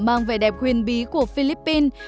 mang vẻ đẹp huyền bí của philippines